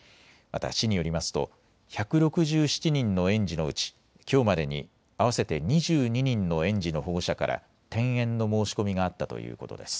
また、市によりますと１６７人の園児のうちきょうまでに合わせて２２人の園児の保護者から転園の申し込みがあったということです。